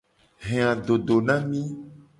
He adodo na mi.